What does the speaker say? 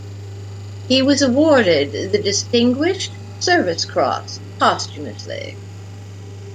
He was awarded the Distinguished Service Cross posthumously.